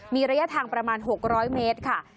มีระยะทางประมาณ๖๐๐เมตรค่ะ